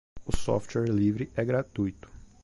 O software livre é gratuito.